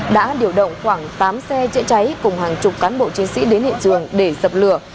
đã điều động khoảng tám xe chữa cháy cùng hàng chục cán bộ chiến sĩ đến hiện trường để dập lửa